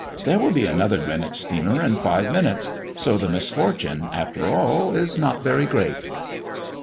There will be another Greenwich steamer in five minutes; so the misfortune, after all, is not very great!"